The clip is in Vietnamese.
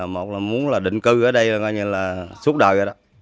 một là muốn là định cư ở đây là suốt đời rồi đó